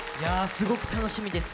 すごく楽しみです